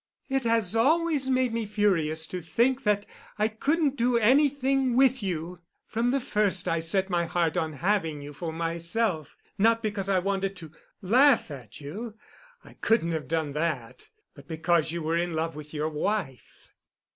It has always made me furious to think that I couldn't do anything with you. From the first I set my heart on having you for myself, not because I wanted to laugh at you—I couldn't have done that—but because you were in love with your wife."